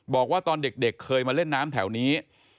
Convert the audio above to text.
บอกว่าตอนเด็กเคยมาเล่นน้ำแถวนี้